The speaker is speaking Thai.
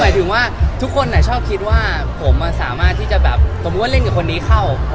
หมายถึงว่าทุกคนชอบคิดว่าผมสามารถที่จะแบบสมมุติว่าเล่นกับคนนี้เข้า